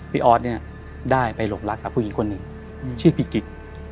ออสเนี่ยได้ไปหลงรักกับผู้หญิงคนหนึ่งชื่อพี่กิ๊ก